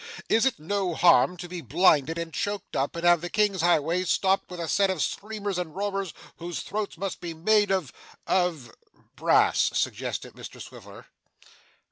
Is it no harm to be blinded and choked up, and have the king's highway stopped with a set of screamers and roarers whose throats must be made of of ' 'Brass,' suggested Mr Swiveller.